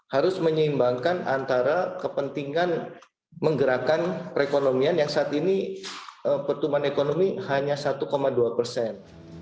harus menyeimbangkan antara kepentingan menggerakkan perekonomian yang saat ini pertumbuhan ekonomi hanya satu dua persen